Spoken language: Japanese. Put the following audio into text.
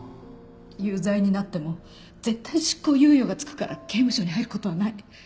有罪になっても絶対執行猶予がつくから刑務所に入る事はない。